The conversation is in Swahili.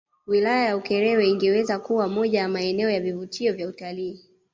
Wilaya ya Ukerewe ingeweza kuwa moja ya maeneo ya vivutio vya utalii